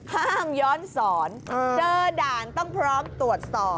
ห้ามย้อนสอนเจอด่านต้องพร้อมตรวจสอบ